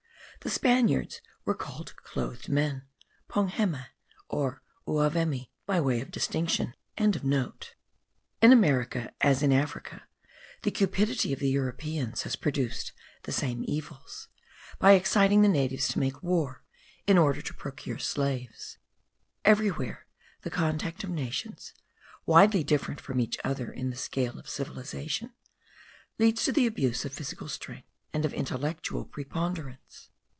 The Spaniards were called clothed men, Pongheme or Uavemi, by way of distinction.) In America, as in Africa, the cupidity of the Europeans has produced the same evils, by exciting the natives to make war, in order to procure slaves. Everywhere the contact of nations, widely different from each other in the scale of civilization, leads to the abuse of physical strength, and of intellectual preponderance.